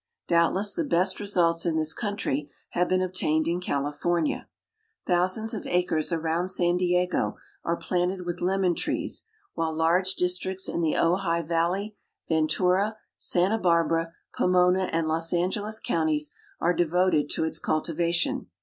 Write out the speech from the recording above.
Doubtless the best results in this country have been obtained in California. Thousands of acres around San Diego are planted with lemon trees while large districts in the Ojai Valley, Ventura, Santa Barbara, Pomona and Los Angeles counties are devoted to its cultivation.